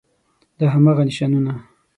دا هماغه نښانونه